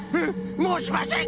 もうしません！